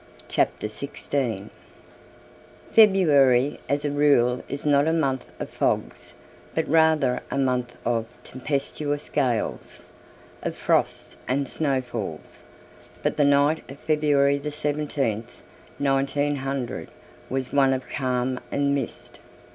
CHAPTER XVI February as a rule is not a month of fogs, but rather a month of tempestuous gales, of frosts and snowfalls, but the night of February 17th, 19 , was one of calm and mist.